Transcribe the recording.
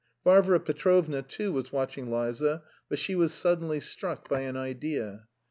Varvara Petrovna, too, was watching Liza, but she was suddenly struck by an idea.